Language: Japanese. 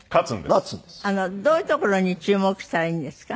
どういうところに注目したらいいんですか？